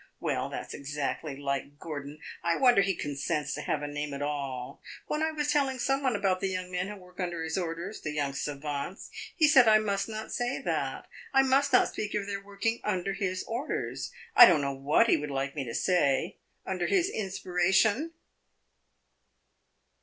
Well, that 's exactly like Gordon! I wonder he consents to have a name at all. When I was telling some one about the young men who work under his orders the young savants he said I must not say that I must not speak of their working 'under his orders.' I don't know what he would like me to say! Under his inspiration!"